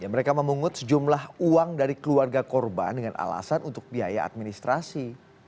mereka memungut sejumlah uang dari keluarga korban dengan alasan untuk biaya administrasi